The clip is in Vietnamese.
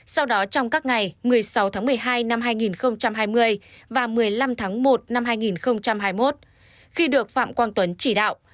sau đó trong các ngày một mươi sáu tháng một mươi hai năm hai nghìn hai mươi và một mươi năm tháng một năm hai nghìn hai mươi một khi được phạm quang tuấn chỉ đạo